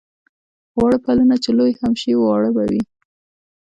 واړه پلونه چې لوی هم شي واړه به وي.